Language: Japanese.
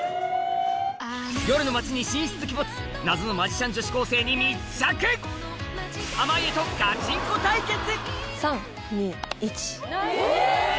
夜の街に神出鬼没謎のマジシャン女子高生に密着濱家とガチンコ対決３・２・１。